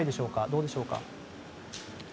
どうでしょうか。